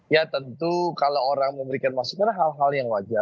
ya tentu kalau orang memberikan masukan hal hal yang wajar